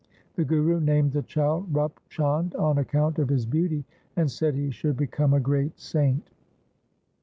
The Guru named the child Rup Chand on account of his beauty, and said he should become a great saint.